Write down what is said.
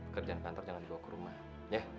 kerjaan kantor jangan dibawa ke rumah ya